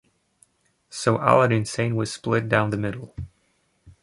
So "Aladdin Sane" was split down the middle.